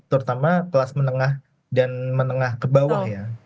terutama kelas menengah dan menengah ke bawah ya